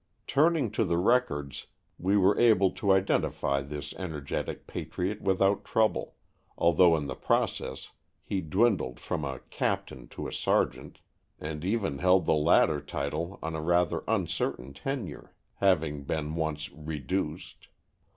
Turning to the records we were able to identify this energetic patriot without trouble, although in the process he dwindled from a "captain" to a "sergeant," and even held the latter title on a rather uncertain tenure, having been once "reduced."